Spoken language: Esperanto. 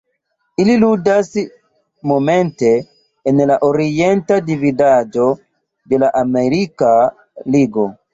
Ili ludas momente en la Orienta Dividaĵo de la Amerika Ligo.